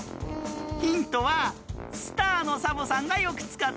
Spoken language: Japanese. ヒントはスターのサボさんがよくつかってるよ。